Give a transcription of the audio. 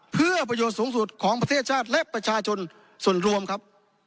เพื่อประโยชน์สูงสุดของประเทศชาติและประชาชนส่วนรวมครับ